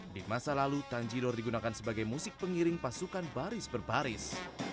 di masa lalu tanjidor digunakan sebagai musik pengiring pasukan baris per baris